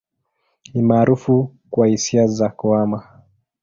Ni maarufu kwa hisia za kuhama.